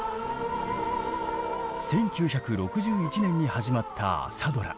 １９６１年に始まった朝ドラ。